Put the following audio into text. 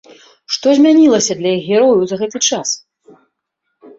Што змянілася для іх герояў за гэты час?